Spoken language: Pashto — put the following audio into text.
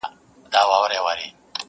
o خپل اوبه وجود راټولومه نور ,